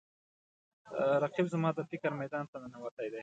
رقیب زما د فکر میدان ته ننوتی دی